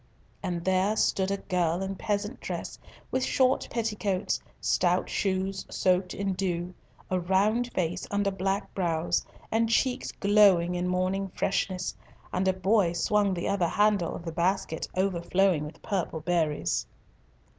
And there stood a girl in peasant dress, with short petticoats, stout shoes soaked in dew, a round face under black brows, and cheeks glowing in morning freshness; and a boy swung the other handle of the basket overflowing with purple berries.